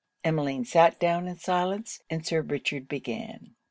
Emmeline sat down in silence, and Sir Richard began.